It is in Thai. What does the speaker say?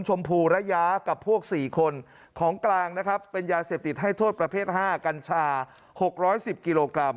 ชมพูระยะกับพวก๔คนของกลางนะครับเป็นยาเสพติดให้โทษประเภท๕กัญชา๖๑๐กิโลกรัม